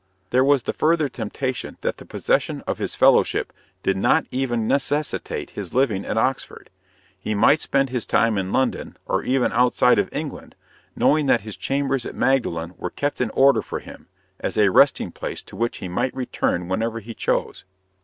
There was the further temptation that the possession of his fellowship did not even necessitate his living at Oxford. He might spend his time in London, or even outside of England, knowing that his chambers at Magdalen were kept in order for him, as a resting place to which he might return whenever he chose.